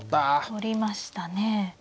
取りましたね。